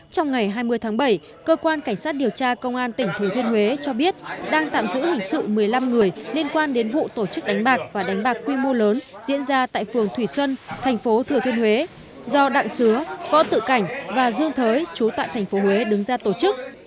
trong ngày hai mươi tháng bảy cơ quan cảnh sát điều tra công an tỉnh thừa thiên huế cho biết đang tạm giữ hình sự một mươi năm người liên quan đến vụ tổ chức đánh bạc và đánh bạc quy mô lớn diễn ra tại phường thủy xuân thành phố thừa thuyên huế do đặng sứ võ tự cảnh và dương thới chú tại tp huế đứng ra tổ chức